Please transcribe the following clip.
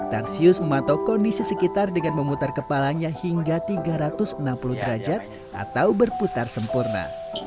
tarsius memantau kondisi sekitar dengan memutar kepalanya hingga tiga ratus enam puluh derajat atau berputar sempurna